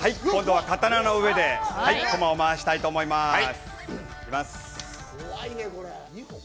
今度は刀の上でこまを回したいと思います。